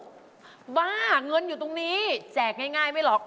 บ้าเงินอยู่ตรงนี้แจกง่ายไม่หรอก